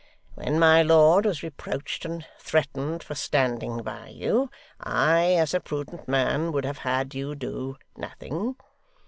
When my lord was reproached and threatened for standing by you, I, as a prudent man, would have had you do nothing.